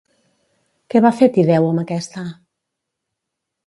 Què va fer Tideu amb aquesta?